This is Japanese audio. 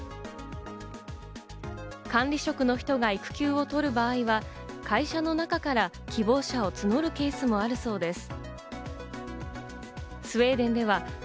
管理職の人が育休を取る場合は会社の中から希望者を募るケースもあるそうです。